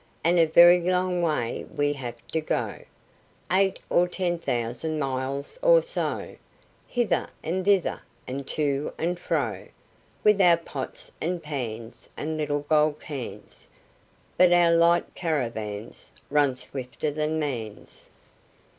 And a very long way we have to go; Eight or ten thousand miles or so, Hither and thither, and to and fro, With our pots and pans And little gold cans; But our light caravans Run swifter than man's."